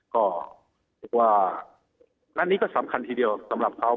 ก็ถือว่าอันนี้ก็สำคัญทีเดียวสำหรับเขา